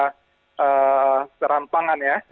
jadi ini adalah hal yang sangat terhampangan ya